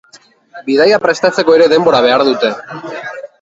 Bidaia prestatzeko ere denbora behar dute.